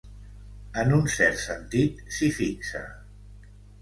En un cert sentit, s'hi fixa.